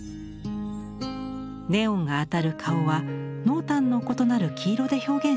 ネオンが当たる顔は濃淡の異なる黄色で表現しました。